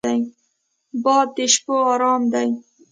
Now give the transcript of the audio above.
باد د شپو ارام دی